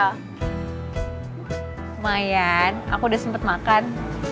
lumayan aku udah sempet makan